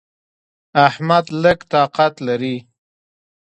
احمد لږ طاقت لري.